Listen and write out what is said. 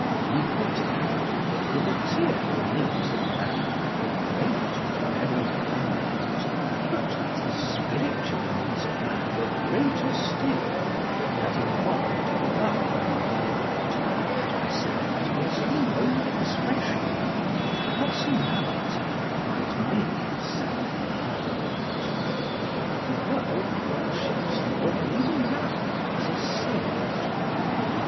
He pointed out that the material needs of Man were great and very permanent, but that the spiritual needs of Man were greater still, and that in one divine moment, and by selecting its own mode of expression, a personality might make itself perfect. The world worships the woman, even now, as a saint.